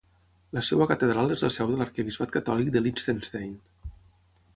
La seva catedral és la seu de l'arquebisbat catòlic de Liechtenstein.